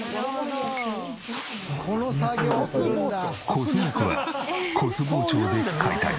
コス肉はコス包丁で解体。